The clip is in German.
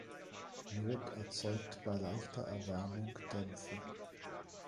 Jod erzeugt bei leichter Erwärmung Dämpfe.